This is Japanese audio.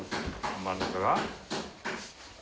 真ん中が？